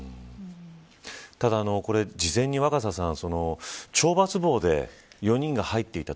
ただこれ、事前に若狭さん事前に懲罰房に４人が入っていたと。